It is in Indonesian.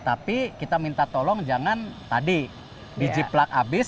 tapi kita minta tolong jangan tadi biji plak habis